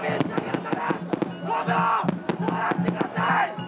はい！